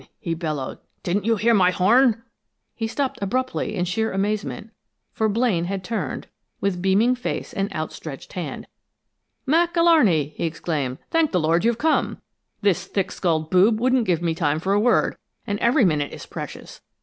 he bellowed. "Didn't you hear my horn?" He stopped abruptly in sheer amazement, for Blaine had turned, with beaming face and outstretched hand. "Mac Alarney!" he exclaimed. "Thank the Lord you've come! This thick skulled boob wouldn't give me time for a word, and every minute is precious!